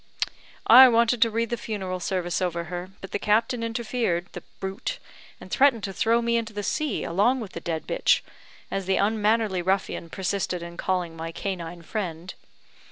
I wanted to read the funeral service over her, but the captain interfered the brute! and threatened to throw me into the sea along with the dead bitch, as the unmannerly ruffian persisted in calling my canine friend.